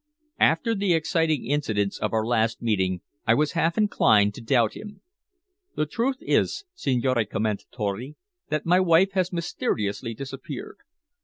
After the exciting incidents of our last meeting, I was half inclined to doubt him. "The truth is, Signor Commendatore, that my wife has mysteriously disappeared.